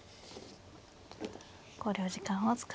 考慮時間を使います。